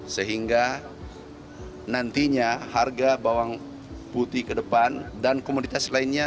sehingga nantinya harga bawang putih ke depan dan komoditas lainnya